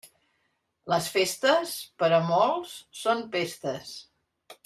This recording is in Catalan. Les festes, per a molts són pestes.